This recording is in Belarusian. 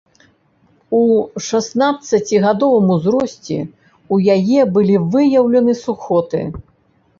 У шаснаццацігадовым узросце ў яе былі выяўлены сухоты.